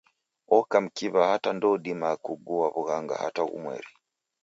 Oka mkiw'a hata ndoudima kugua w'ughanga hata ghumweri.